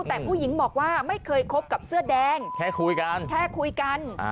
แต่ผู้หญิงบอกว่าไม่เคยคบกับเสื้อแดงแค่คุยกันแค่คุยกัน